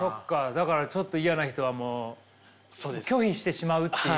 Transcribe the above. だからちょっと嫌な人はもう拒否してしまうっていう。